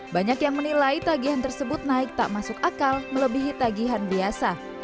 banyak yang menilai tagihan tersebut naik tak masuk akal melebihi tagihan biasa